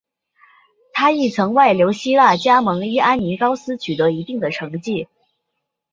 他亦曾外流希腊加盟伊安尼高斯取得一定的成绩。